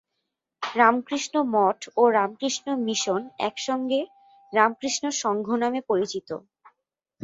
রামকৃষ্ণ মঠ ও রামকৃষ্ণ মিশন একসঙ্গে রামকৃষ্ণ সংঘ নামে পরিচিত।